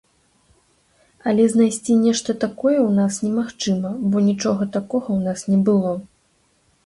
Але знайсці нешта такое ў нас немагчыма, бо нічога такога ў нас не было.